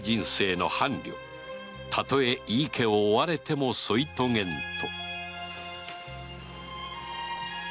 たとえ井伊家を追われても添い遂げんと